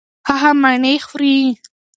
هغه مڼې خوري.